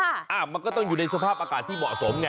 อ่ามันก็ต้องอยู่ในสภาพอากาศที่เหมาะสมไง